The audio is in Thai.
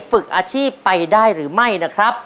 ฝึกอาชีพไปได้หรือไม่นะครับ